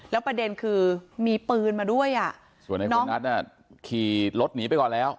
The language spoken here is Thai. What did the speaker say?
แล้วประเด็นคือมีปืนมาด้วยอ่ะส่วนในโบนัทอ่ะขี่รถหนีไปก่อนแล้ว